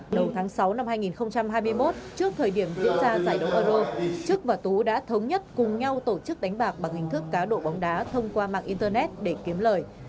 đầu tháng sáu năm hai nghìn hai mươi một trước thời điểm diễn ra giải đấu euro trức và tú đã thống nhất cùng nhau tổ chức đánh bạc bằng hình thức cá độ bóng đá thông qua mạng internet để kiếm lời